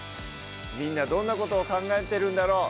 みんなどんなことを考えてるんだろう